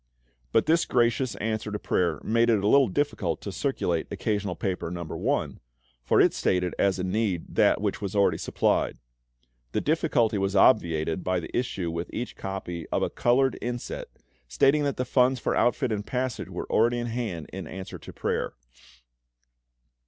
But this gracious answer to prayer made it a little difficult to circulate "Occasional Paper, No. I.," for it stated as a need that which was already supplied. The difficulty was obviated by the issue with each copy of a coloured inset stating that the funds for outfit and passage were already in hand in answer to prayer.